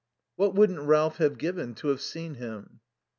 What wouldn't Ralph have given to have seen him!